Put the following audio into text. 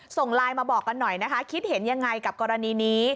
ส่งไลน์มาบอกกันหน่อยนะคะคิดเห็นยังไงกับกรณีนี้